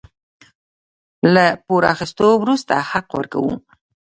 له پور اخيستو وروسته حق ورکوو.